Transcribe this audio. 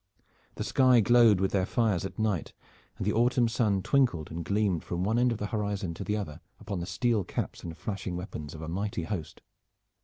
The sky glowed with their fires at night, and the autumn sun twinkled and gleamed from one end of the horizon to the other upon the steel caps and flashing weapons of a mighty host.